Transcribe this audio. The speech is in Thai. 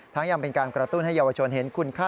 ยังเป็นการกระตุ้นให้เยาวชนเห็นคุณค่า